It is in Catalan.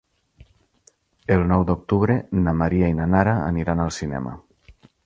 El nou d'octubre na Maria i na Nara aniran al cinema.